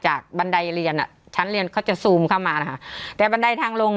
จากบันไดเรียนชั้นเรียนเขาจะซูมเข้ามาแต่บันไดทางลง